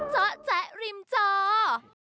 เจ้าแจ๊กริมเจ้า